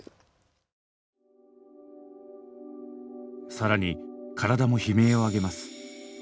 さらに体も悲鳴を上げます。